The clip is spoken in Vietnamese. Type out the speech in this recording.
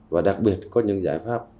và đặc biệt có những giải pháp